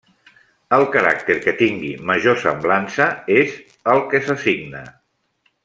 El caràcter que tingui major semblança és el que s’assigna.